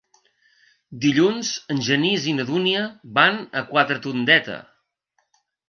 Dilluns en Genís i na Dúnia van a Quatretondeta.